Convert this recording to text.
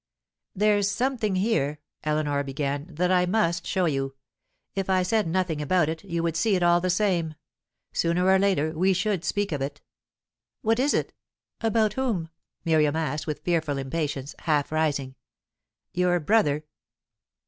"There's something here," Eleanor began, "that I must show you. If I said nothing about it, you would see it all the same. Sooner or later, we should speak of it." "What is it? About whom?" Miriam asked, with fearful impatience, half rising. "Your brother."